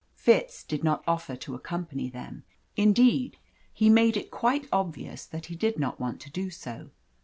Fitz did not offer to accompany them indeed, he made it quite obvious that he did not want to do so.